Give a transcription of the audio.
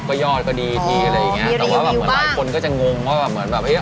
ก็ดีอะไรอย่างนี้แต่ว่าเหมือนหลายคนก็จะงงว่าเหมือนแบบ